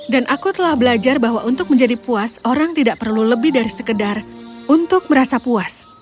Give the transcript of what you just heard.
aku telah belajar bahwa untuk menjadi puas orang tidak perlu lebih dari sekedar untuk merasa puas